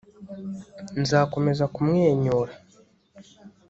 nzakomeza kumwenyura